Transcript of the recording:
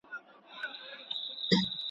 تور قسمت په تا آرام نه دی لیدلی.